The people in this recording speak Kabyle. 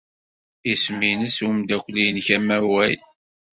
Isem-nnes umeddakel-nnek amaway?